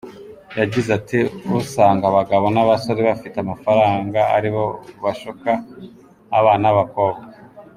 Yagize ati “Usanga abagabo n’abasore bafite amafaranga ari bo bashuka abana b’abakobwa.